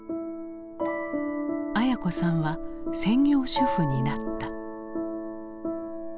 文子さんは専業主婦になった。